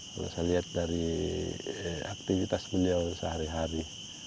kalau saya lihat dari aktivitas beliau sehari hari